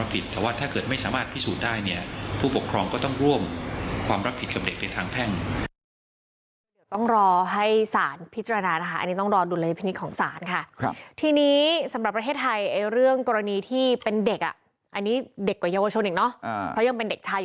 ผิดกับเด็กในทางแพร่ง